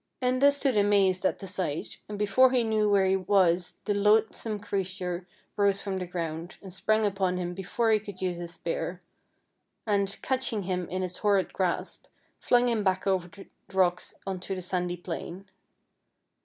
Enda stood amazed at the sight, and before he knew where he was the loath THE HOUSE IN THE LAKE 33 some creature rose from the ground, and sprang upon him before he could use his spear, and, catching him in its horrid grasp, flung him back over the rocks on to the sandy plain.